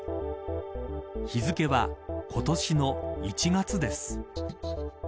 日付は今年の１月です。